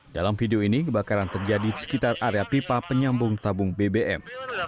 dalam video ini kebakaran terjadi di sekitar area pipa penyambung tabung bbm